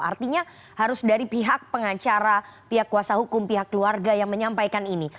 artinya harus dari pihak pengacara pihak kuasa hukum pihak keluarga yang menyampaikan ini